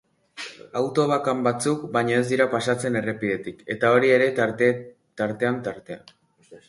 Auto bakan batzuk baino ez dira pasatzen errepidetik, eta hori ere tartean-tartean.